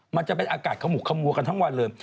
มันจะเป็นอากาศขมุกขมัวกันทั้งวันเลย